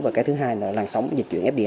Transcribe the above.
và cái thứ hai là làn sóng dịch chuyển